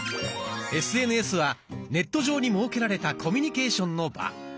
ＳＮＳはネット上に設けられたコミュニケーションの場。